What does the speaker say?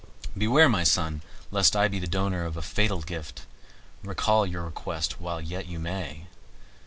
Beware, my son, lest I be the donor of a fatal gift; recall your request while yet you may.